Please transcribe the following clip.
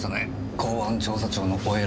公安調査庁のお偉